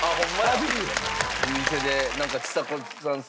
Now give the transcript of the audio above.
お店でなんかちさ子さん